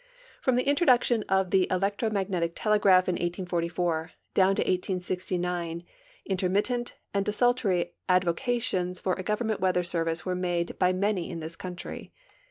From the introduction of the electro magnetic telegraph in 1844 down to 1869 intermittent and desultory advocations for a government weather service were made by many in this country.